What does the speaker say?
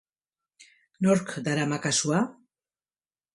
Nork darama kasua?